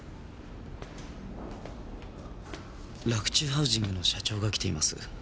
洛中ハウジングの社長が来ています。